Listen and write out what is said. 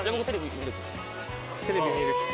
テレビ見る人。